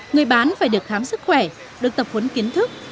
người bán phải được khám sức khỏe được tập huấn kiến thức